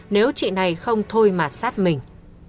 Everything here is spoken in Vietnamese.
nếu chị này không thôi mặt sát mình